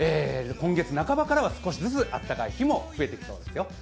今月半ばからは少しずつ暖かい日が増えてきそうですよ。